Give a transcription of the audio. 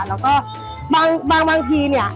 แล้วก็บางทีเนี่ย